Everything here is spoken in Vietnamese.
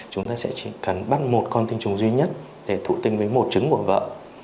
chúng ta sẽ chỉ cần bắt một con tinh trùng duy nhất để thụ tinh với một trứng của vợ